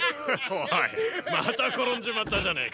オイまた転んじまったじゃねえか。